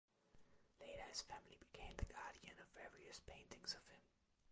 Later his family became the guardian of various paintings of him.